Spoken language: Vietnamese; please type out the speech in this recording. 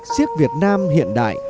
siếc việt nam hiện đại